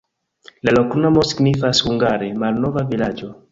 La loknomo signifas hungare: malnova-vilaĝo.